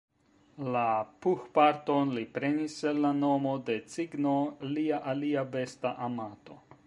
La "pooh"-parton li prenis el la nomo de cigno, lia alia besta amato.